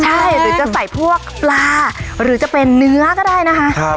ใช่หรือจะใส่พวกปลาหรือจะเป็นเนื้อก็ได้นะคะ